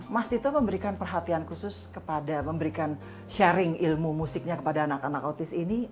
mas tito memberikan perhatian khusus kepada memberikan sharing ilmu musiknya kepada anak anak autis ini